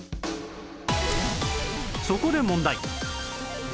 そこで問題